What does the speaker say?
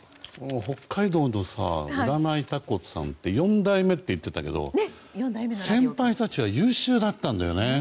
北海道の占いタコさん４代目って言ってたけど先輩たちは優秀だったんだよね。